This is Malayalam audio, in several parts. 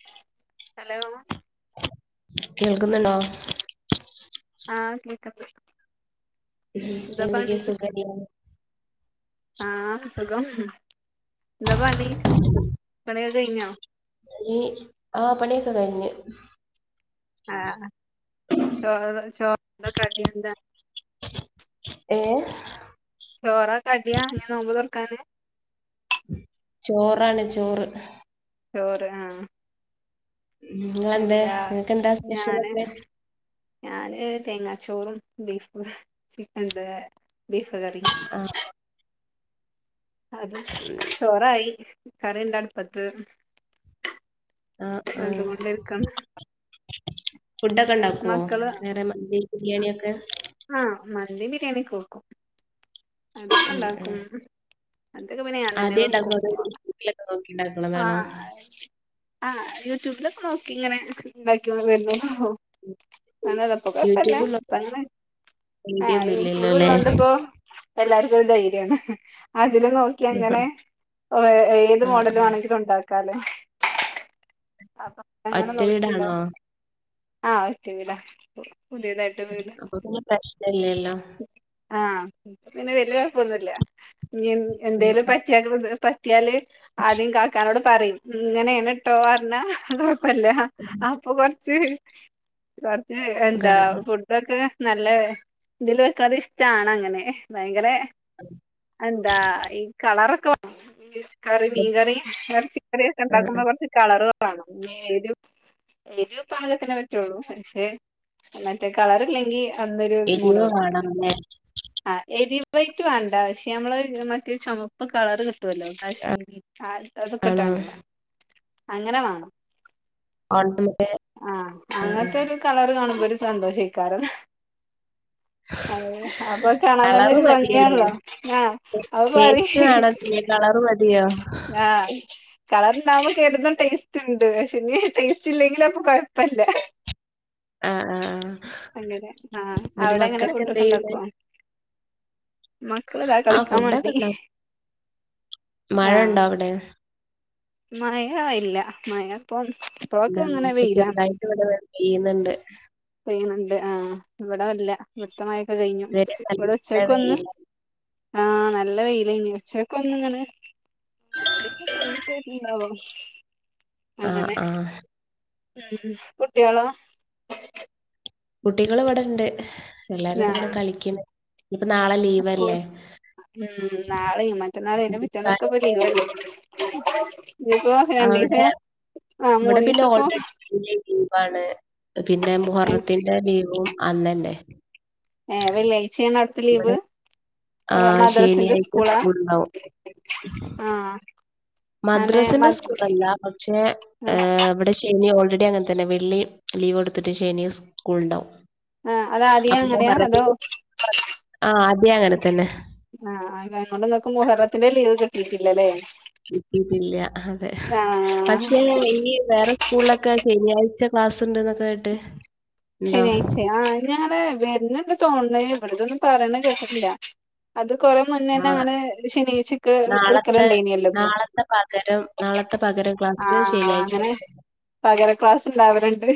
ഹഹത് ഹലോ കേൾക്കുന്നുണ്ടോ ആഹ കേക്ക്ണ്ട് ഉ എന്താ എന്തൊക്കെയ പണി സുഖല്ലെയോ ആഹ സുഖം എന്താ പണി പണി ഒക്കെ കഴിഞ്ഞോ ആഹ പണിയൊക്കെ കഴിഞ്ഞ് ആ ചോ ചോ കറി എന്ത ഏ ചോറികടിയാ ഇന്ന് നോമ്പ് തൊർക്കാന് ചോറാണ് ചോറ് ചോറ് ആഹ നിങ്ങളെന്തേ എന്താ നിങ്ങക്ക് എന്താ ഞാന് സ്പെഷ്യലൊക്കെ ഞാന് തേങ്ങാച്ചോറും ബീഫ് ചിക്കനുണ്ട്ബീഫ് കറി ആ അത് ചോറായി കറി ഉണ്ട് അടുപ്പത്ത് ആഹ്ആഹ് വെന്തുകൊണ്ടിരിക്കാണ് ഫുഡൊക്കെ ഉണ്ടാക്കോ മക്കള് വേറെ മന്തി ബിരിയാണി യൊക്കെ ആഹ് മന്തി ബിരിയാണി യൊക്കെ വെക്കും അതൊക്കെ ഉം ഉം ഉണ്ടാക്കും അന്ത്യക്കെ പിന്നെ ഞാൻ തന്നെ ആദ്യേ ഉണ്ടാക്കോ വെക്കും അതോ യൂട്യൂബിലൊക്കെ നോക്കി ഉണ്ടാക്കണതാണോ ആഹ് ആഹ് യൂട്യൂബിലൊക്കെ നോക്കിങ്ങനെ വെക്കു [unintelligible] വന്നരുന്നു അന്നതപ്പൊക്കഴപ്പല്ല യൂട്യൂബിലോ പ്പ ങ്ങനെ വീഡിയോ ആഹ് ഒന്നും ഇല്ലല്ലോ യൂറ്റൂബ് അല്ലേ ഇല്ലോണ്ട്ണ്ട്ഇപ്പോ എല്ലാർക്കൊരു ധൈര്യാണ് ഹ് ഹ് അതില് നോക്കിയങ്ങനെ ഓ ഏത് ആ മോഡലും വാണെങ്കി ല്ലുണ്ടാക്കാലെ അപ്പൊ അങ്ങനെ ഒറ്റ നോക്കി വീടാണോ [unintelligible] ആഹ് ഒറ്റ വീട പുതിയതായിട്ട് വീട് ഇല്യല്ലോ ഇൻക്ക് പിന്നെ വല്ല്യ കൊഴപ്പൊന്നുല്ല ഞ് ഉം എന്തേലും ഉം പറ്റിയാല് [unintelligible] പറ്റിയാല് ആദ്യം കാക്കാനോട് പറിംഇങ്ങനേണ് ട്ടോ അറ്ഞ്ഞാ കൊഴപ്പല്ല [unintelligible] അപ്പൊ കൊറച്ച് ച്ച് കൊറ് ച്ച് എന്താ ഫുഡൊക്കെ നല്ല ഇതില് വെക്കാതെ ഇഷ്ട്ടാണ് അങ്ങനെ ഭയങ്കരെ എന്താ ഈ കളറൊക്കെ കറി മീൻകറി ഇറച്ചിക്കറി ഒക്കെ ആ ആ ഉണ്ടാക്കുമ്പ കൊറച്ച് കളറ് [unintelligible] എരിവ്പാകത്തിനെ പറ്റുള്ളൂ പക്ഷെ മറ്റേ കളർ ഇല്ലെങ്കി അന്നൊരു മൂടഔട്ട് കാ [unintelligible] ണേ [inaudible] വൈറ്റ് വേണ്ട ക്ഷെ നമ്മള് മറ്റേ ചുമപ്പ് കളർ കിട്ട്വാല്ലോ കാശ്മീരി അതൊക്കെ വേണോ ഇട്ടാണ്ട് െള്ള അങ്ങനെ വാണം ഓണത്തിന് ആഹ് അങ്ങൻ ത്തൊരു കളർ കാണു ഒരു സന്തോഷേക്കാരം അതെ അപ്പൊ കാണാൻ തന്നെ കളറ് ഒരു മതിയല്ലേ ഭംഗിയാണല്ലോ ആ അപ്പൊ പറി ടേസ്റ്റ് വേണംല്ലേ കളറ് മതിയോ കളർ ഉണ്ടാവ് മ്പ ക്കെല്ലത്തിനും ടേസ്റ്റ് ഇണ്ട് പക്ഷെ ഇഞ് ടേസ്റ്റ് ഇല്ലെങ്കില അപ്പൊ കൊഴപ്പ ല്ല ആഹ ആഹ് ആഹ അങ്ങനെ ആഹ് അവ്ടെ ങ്ങനെ എന്ത് ഫുഡ്ഒക്കെ ചെയ്യുന്നെ ഇണ്ടാക്കോ മക്കള താ ആഹ് കളിക്കാൻ ഫുഡൊക്കെ വേണ്ടി ഉണ്ടാക്കും മഴ ഉണ്ടോ അവിടെ മഴഇല്ല മഴ ഇപ്പം ഇപ്പോഴൊക്കെ എന്താ ഹോ അങ്ങനെ വെയിലാണ് ചെറുതായിട്ട് ഇവിടെ ഇപ്പം പെയ്യുന്നുണ്ട് പെയ്യുന്നുണ്ട് ആ ഇവടെ ഇല്ല വിടുത്തെമായൊക്കെ കഴിഞ്ഞു ഇതുവരെ ഇവിടെ നല്ല ഉച്ചക്കൊന്ന് വെയില് ആഹ് നല്ല വെയിലേനി ഉച്ചക്കൊന്ന് ഇങ്ങനെ ഉ എ കേത്ത ന് [inaudible] [inaudible] ആഹ് ആഹ് ഉം കുട്ട്യേളോ കുട്ടികൾ ഇവിടെണ്ട് എല്ലാരും ആ ഇത് വിടെ കളിക്ക്ണ് ഇനിപ്പോ നാളെ സ്കൂൾ ലീവല്ലേ ഉം നാളെം മറ്റന്നാളും അയ്ന്റെ പിറ്റേന്നൊക്കെ ഇപ്പ ലീവല്ലെ ദീപ്പോരണ്ടിസ ഇബടെ പിന്നെ ഓൾറെഡി [unintelligible] ലീവാണ് പിന്നെ മുഹറത്തിന്റെ ലീവും അന്നന്നെ ഏ വെള്ളിയാഴ്ച ആണ് അട്ത്ത ലീവ് ഇവിടെ അത ആഹ് മദ്രസിന്റെ ശനിയാഴ്ച സ്കൂളാ സ്കൂൾ ഇണ്ടാവും ആഹ് അങ്ങനെ മദ്രസിന്റെ മദ് സ്കൂളല്ല പക്ഷേ ആഹ് ഇവടെ ശനി ഓൾ ടി അങ്ങനെ തന്നെ വെള്ളി ലീവ് ഒട്ത്തിട്ട് ശനി സ്കൂള് ണ്ടാവും ആഹ് അതാദ്യേ അപ്പൊ അങ്ങനെയാ അതോ മുഹറത്തില് ആദ്യെ അങ്ങനെ തന്നെ ആഹ് അതോണ്ട് ഇങ്ങക്ക് മുഹറത്തിന്റെ ലീവ് കിട്ടിട്ട്ല്ലല്ലേ കിട്ടിട്ടില്ല അതെ ആഹ് പക്ഷേ ഇനി വേറെ സ്കൂളിലൊക്കെ ശനിയാഴ്ച ക്ലാസ് ഉണ്ട്ന്നൊക്കെ കേട്ട് ഉണ്ടോ ശനിയാഴ്ച ആ ഞങ്ങ വരുന്ന തോന്ന ഇവിടതൊന്നും പറയണ കേില്ല അത് കൊറെ മുന്നേ തന്നെ ആഹ് അങ്ങനെ ശനീച്ചക്കെ നാളത്തെ എടുക്കലുണ്ട ഇനല്ലോ ഇപ്പൊ നാളത്തെ പകരം നാളത്തെ പകരം ക്ലാസ് ആഹ ശനിയാഴ്ച അങ്ങനെ പകര ക്ലാസ് ഉണ്ടാവരുണ്ട്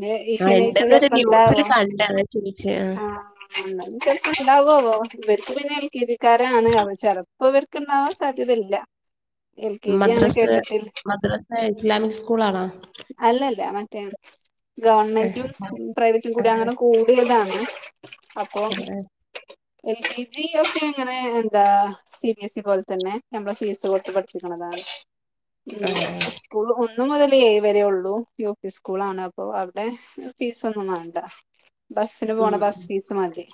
പിെ ഈശ ആഹ് ഇണ്ടെന്നൊരു പ്പണ്ടാവോ ന്യൂസില് കണ്ട് അതാ ചോദിച്ചേ ആഹ് ആപ്പണ്ടാവോ ഓ ഇവർക്ക് പിന്നെ എൽ കെ ജിക്കാരാണ് അവ ചെിലപ്പോ ഇവർക്ക്ുണ്ടാവാൻ സാധ്യതയില്ല എൽ കെ ജി ആണ് മദ്രസ് കേട്ടിട്ടില്ല മദ്രസ് ഇസ്ലാമിക് സ്കൂൾാണോ അല്ലല്ല മറ്റേ ആഹ് ഗവൺമെന്റും ആഹ് പ്രൈവറ്റും കൂടി ആഹ് അങ്ങനെ കൂടിയതാണ് അപ്പൊ ആഹ് എൽ കെ ജി ഒക്കെ അങ്ങനെ എന്താ സി ബി എസ് ഇ പോലെ തന്നെ നമ്മെ ഫീസ് കൊടുത്ത് പഠിപ്പിക്കുന്നതാണ് ആഹ് സ്കൂൾ ഒന്നു മുതൽ ഏഴ് വരെ ഉള്ളൂ യുപി സ്കൂളാണ് അപ്പോ അവിടെ ഫീസ് ഒന്നും വേണ്ട ബസ്സിന് ഉം പോണ ബസ് ഫീസ മതി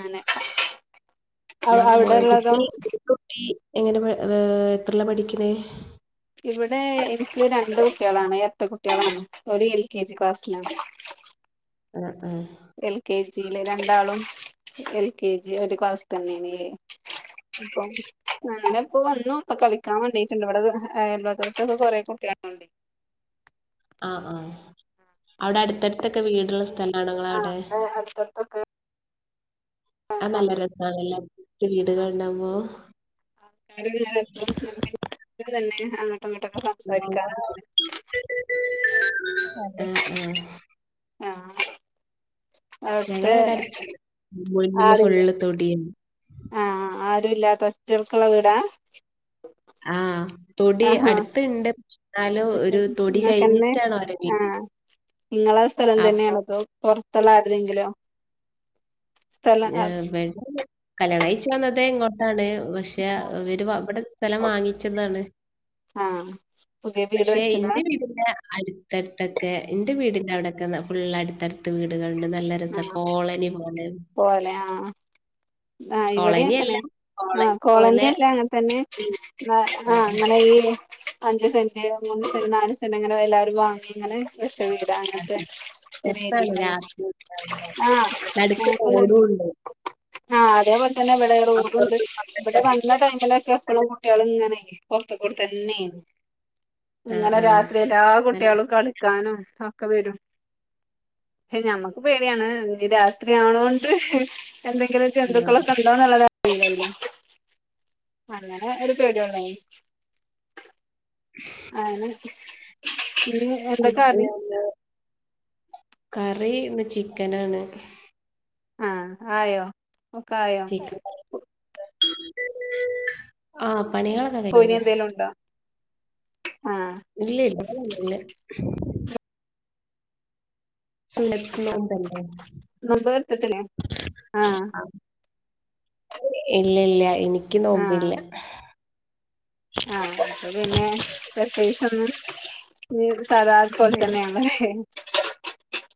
അനെ ോ കുട്ടി കുട്ടി എങ്ങനെ ഏ എത്രല്ല പഠിക്കണ ഇവിടെ എനിക്ക് രണ്ട് കുട്ടികളാണ് ഇരട്ടക്കുട്ടികളാണ് അവരെ എൽകെജി ക്ലാസിലാണ് [unintelligible] ഉ ഉം എൽ കെ ജിയിലെ രണ്ടാളും എൽ കെ ജി ഒരു ക്ലാസ് തന്നെയാണ് അപ്പൊ ഞങ്ങ ഇപ്പ വന്നു ഇപ്പൊ കളിക്കാൻ മണ്ടിയിട്ടുണ്ട് അയൽവക്കത്ത് കുറെ കുട്ടികളുണ്ട് [unintelligible] ആഹ ആഹ അവിടെ അടുത്തടുത്തൊക്കെ വീടുള്ള സ്ഥല ആണ ങ്ങള ആ അവിടെ ഇവിടെ അടുത്തടുത്തൊക്കെ ആ നല്ല രസമാല്ല വീടുകൾ ഉണ്ടാവുമ്പോൾ ആക്കപ്പം ന തന്നെ അങ്ങോട്ടും ഇങ്ങോട്ടൊക്കെ സംസാരിക്കാറണ്ട് അത ആഹ് ആഹ് ആഹ ഞങ്ങളെ ഇവിടെ മുന്നില് ഫുള്ള് തൊടിയ ആരുല്ല തൊറ്റക്കുള്ള വീടാ ആഹ് തൊടി ആഹാ അടുത്തണ്ട് എന്നാലും ഒരു തൊടി നിങ്ങൾക്കന്നെ കഴിഞ്ഞിട്ടാണോ അവരെ വീട് ആഹ് നിങ്ങളെ സ്ഥലം അപ്പൊ തന്നെയണ തോ പുൊറത്തുള്ളായിരതെങ്കിലോ ഏ വെണ്ട കല്യാണംാഴ്ച്ച വന്നത് ഇങ്ങോട്ടാണ് പക്ഷെ അവര് ഇവിടെ സ്ഥലം വാങ്ങിച്ചതാണ് ആഹ് പുതിയ വീട് പക്ഷെ വെച്ചതാ എന്റെ വീടിന്റെ അടുത്തിട്ടൊക്കെ എന്റെ വീടിന്റെ അവിടെ ഫുുള്ള അടുത്തടുത്ത് വീടുകളുണ്ട് നല്ല രസം കോളനി പോലെ ആഹ ആഹ ഇവിടെ കോളനി എത്തനെ അല്ല. ആഹ കോളനി പോലെ എല്ലാം അങ്ങനെ തന്നെ ആഹ ആഹ് അങ്ങനെ ഈ അഞ്ച് സെന്റ് മൂന്ന് സെന്റ് നാല് സെന്റ് അങ്ങനെ എല്ലാരും വാങ്ങി ഇങ്ങനെ പച്ച ആഹ് വീടാ അങ്ങനത്തെ അതെ. രസാണ് ഒ രാത്രി ഉണ്ടാവുമ്പോ. ആ് നടുക്ക് റോഡും ഉണ്ട്. [unintelligible] ആ അതേപോലെ തന്നെ ഇവിടെ റോഡുണ്ട് അപ്പുറത്തും ഇവിടെ ഇപ്പുറത്തൊക്കെ വീട്. വന്ന ടൈമിലൊ ക്കെ എപ്പളും കുട്ടികള് ഇങ്ങനെയിരിക്കും പൊറുത്തു കൂടെ തന്നെയാരുന്നു ആഹ് അങ്ങനെ ആഹ്. രാത്രി എല്ലാ നല്ല കുട്ടികളും രസാ. ക ളിക്കാനും ഒക്കെ വരും ഏയ് ഞമ്മക്ക് പേടിയാണ് ഇ രാത്രി ആവണൊണ്ട് എന്തെ ങ്കിലും ജന്തുക്കളൊക്കെ ഉണ്ടോന്നുള്ളത് ഇല്ലില്ല അങ്ങനെ ഒരു പേടിയൊ ണ്ടായിരുന്നു ഇനി എന്താ കൂട്ടാൻ കറി എന്നാ കറി ഇന്ന് ചിക്കനാണ് ആ ആയോ ഒക്കെയായോ ആ പണികളൊക്കെ പൊരി കഴിഞ്ഞന്ന് എന്തേലും ഉണ്ടോ ആഹ് ഇല്ല ഇല്ല ഇല്ല സുനത്തു നോമ്പ് ഉണ്ടോ നോമ്പ് എടുത്തിട്ടില്ലേ ആഹ് ഇല്ല ഇല്ല എനിക്ക് നോമ്പില്ല ആ അപ്പോപിന്നെ പ്രത്യേകിച്ച് ഒന്നും സാതാ പോലെ തന്നെയാണല്ലേ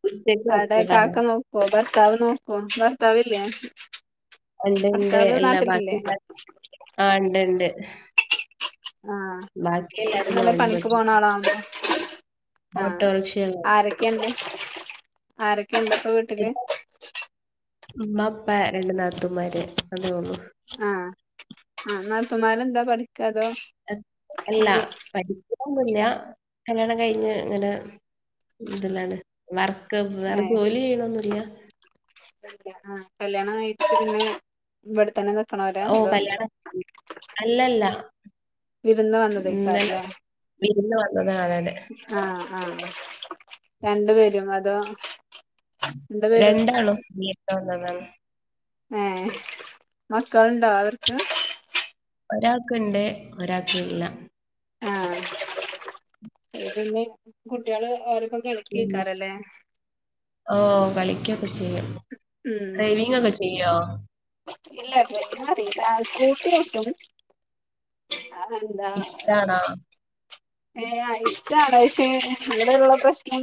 ഉച്ചക്ക് അവിടെ വെച്ചതാണ് കാക്ക നോക്കുവോ അപ്പോ ഭർത്താവ് നോക്കുവോ ഭർത്താവില്ലേ ഉണ്ട് ഉണ്ട് ഭർത്താവ് എല്ലാ ബാക്കി നാട്ടിലില്ലേ ആ ഉണ്ട് ഉണ്ട് ആ ബാക്കി നിങ്ങള് എല്ലാരും എന്തേലും നോമ്പ് പണിക്കു നോറ്റു പോണ ആളാണോ ആ ഓട്ടോറിക്ഷകൾ ആരൊക്കെയൊണ്ട് ആരൊക്കെയൊണ്ട് ഇപ്പോ വീട്ടില് ഇപ്പ രണ്ട് നാത്തൂന്മാര് അതെ ഉള്ളു ആ ആ നാത്തൂന്മാരെ എന്താ പഠി അല്ല പഠിക്കന്നൊന്നുഇല്ല കല്യാണം കഴിഞ്ഞ് ഇങ്ങനെ വീട്ടിലാണ് വർ ക്ക് വേറെ ഏഹ് ജോലി ചെയ്യണൊന്നുമില്ല ആഹ് കല്യാണം കഴിച്ചു പിന്നെ ഇവിടെത്തന്നെ ഓ കല്യാണം അല്ലല്ല വിരുന്ന് വന്ന്നിക്കാറല്ലേ പിന്ന വന്നതാ അവര് ആ രണ്ട് പേരും അതോ രണ്ടു പേരും രണ്ടാളും വിരുന്നു വന്നതാണ് മക്കൾ ഉണ്ടോ അവർക്ക് ഒരാൾക്കുണ്ട് ഒരാൾക്ക് ഇല്ല ആ പിന്നെ കുട്ടികള് ഓര അപ്പം കളിക്ക് നിൽക്കാറല്ലേ ഓ കളിക്കയൊക്കെ ചെയ്യും ഉം ഡ്രൈവിങ് ഒക്കെ ചെയ്യുവോ ഇല്ല ശരിയാകത്തില്ല സ്കൂട്ടി ഓടിക്കും അതെന്താ ഇഷ്ടാണോ ഏ ഇഷ്ടമാട പക്ഷേ ഇവിടെയുള്ള പ്രശ്നം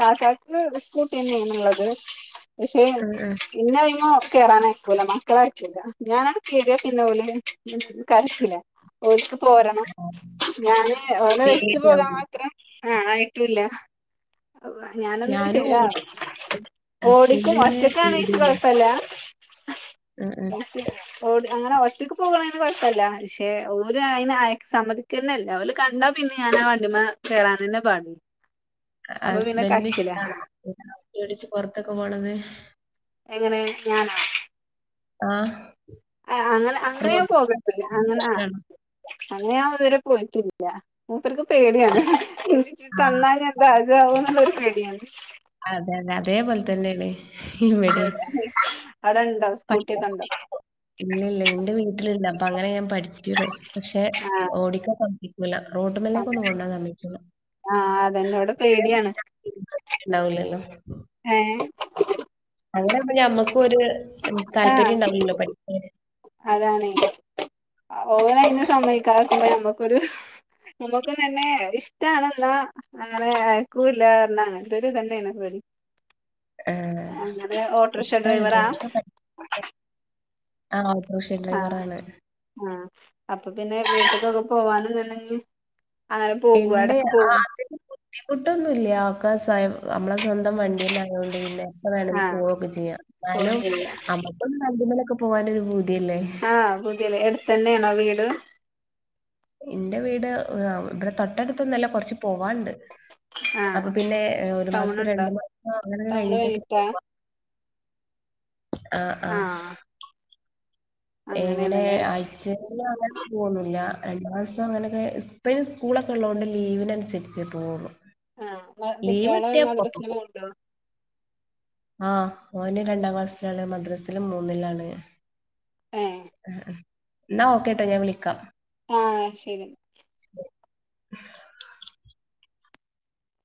കാക്കാക്ക് സ്കൂട്ടി തന്നെയാ ണുള്ളത് പക്ഷെ ആഹ് ഇന്ന [unintelligible] കേയറാനായിക്കൂലോ മക്കളായിട്ടില്ല ഞാന് കേറിയാ പിന്നെ ഓല് കേറത്തില്ല ഓര്ക്ക് പോരണം ആഹ് ഞാന് ഓരെ വെച്ചു പോകാൻ പേടിയാവൂലെ മാത്രം ആ ആയിട്ടുമില്ല ഞാനൊന്ന് ഞാനും ശരി ഓടിക്കും ഓടിക്കും ഹസ്ബന്റിന് ഒറ്റക്ക് ആണേവെച്ച് പേടിയാണ് കൊഴപ്പമില്ല ആഹ് ആഹ് മുറിച്ചിടാം ഓടി അങ്ങനെ ഒറ്റക്ക് പോകുവാണെല് കൊഴപ്പംഇല്ല പക്ഷെ ഓര് അയിന് അക്സ ‌ സമ്മതിക്കുന്നില്ല ഓര് കണ്ടാ പിന്നെ ഞാന് ആ വണ്ടിമ്മേ കേറാതന് പാട് ഹസ്ബൻഡിന് ഇഷ്ടാണോ വണ്ടിയോടിച്ചു പൊറത്തൊക്കെ പോണത് എങ്ങനെ ഞാനോ ആ ആ അങ്ങനെ അങ്ങനെയും പോകട്ടല്ല അങ്ങനെ ആ അങ്ങ ഞാൻ ഇതുവരെ പോയിട്ടില്ല ഇപ്പർക്ക് പേടിയാണ് എ ആഹ് തന്നാൽ ഞന്താകാവ എന്നുള്ളൊരു പേടിയാണ് അതെ അതെ അതേ പോലതന്നി അ അട ഇല്ലല്ല നിന്റെ വീട്ടിൽ അപ്പൊ അങ്ങനെ ഞാൻ പഠിച്ചിട്ടാണ് പക്ഷെ ആ ഓടിക്കാൻ സാധിക്കല റോട്ടുമല്ലേക്ക ഒന്ന് കൊണ്ടോാമ്മിക്കു ആഹ അതെന്നോടെ പേടിയാണ് ഉണ്ടാവില്ലല്ലോ ഏ അങ്ങനെഞമ്മുക്കൊ ഒരു ആ താല്പര്യം ഉണ്ടാവല്ലോ പഠ അതാണ് ഓഴഞ്ഞ സമയക്കക്കുമ്പോ നമ്മുക്കൊരു നമുക്ക് തന്നെ ഇഷ്ടണെന്നാ അങ്ങനെ അയക്കൂല്ല ക അങ്ങന്തൊ ഒരു തന്നെയാണ്പി ആ, അങ്ങനെ ഓട്ടോറിക്ഷ ഇഷ്ടാണ് ഡ്രൈവറാ ആഹ ഓട്ടോഷൻ ആ ഡ്രൈവറ ആാണ് ആഹ് അപ്പൊ പിന്നെ വീട്ടക്കൊക്കെ പോവാനും തന്നെ ഉണ്ട് അതിന് ബുദ്ധിമുട്ടൊന്നുമല്ല ആക്കസായം നമ്മളെ സ്വന്തം വണ്ടിന്നെ ആയതോൊണ്ട് പിന്നെ ഇ വേണമിൽ ആഹ് പോവുവൊക്കെ ചെയ്യാം ഫോൺ എന്നാലും ചെയ്യാ നമുക്കൊും നമലൊക്കെ പോകാനൊ ഒരു ബി ആഹ് പുതിയല്േ എടുത്തന്നെയാണോ വീട് എന്റെ വീട് ഇവിടെ തൊട്ടടുത്തൊന്നല്ല കൊറച്ച് പോവാുണ്ട് അപ്പൊ ആഹ് പിന്നെ ഒരു മാസം ടൗണുണ്ടോ രണ്ടു മാസം അങ്ങനൊക്കെ കഴിഞ്ഞിട്ടൊക്കെ ത് ആഹ ആഹ എങ്ങനെ അങ്ങനെയാണല്ലേ ആയച്ച അങ്ങനും പോന്നില്ല രണ്ട മാസം അങ്ങനെയൊക്കെ ഇത്രയും സ്കൂളൊക്കെ ഉള്ളതത് കൊണ്ട് ലീവിനനുസരിച്ച് പോകുന്നു ആഹ് കുട്ടികള് ലീവിട്ടേ മദ്രസിന് പൊത്തക്കൂ പോവ്ണ്ടോ ആഹ ഓന് രണ്ടാം ക്ലാസ്സിലാണ് മദ്രാസിലും മൂന്നിലാണ് ഏ എന്ന ഓക്കെ കേട്ടോ ഞാൻ വിളിക്കാം ആഹ ശരി ഭ്